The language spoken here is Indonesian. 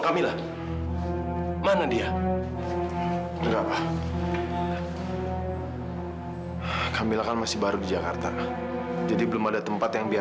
sampai jumpa di video selanjutnya